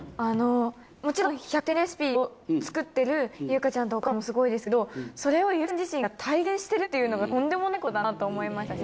もちろん１００点レシピを作ってる有香ちゃんとお母さんもすごいですけどそれを有香ちゃん自身が体現してるっていうのがとんでもないことだなと思いましたし。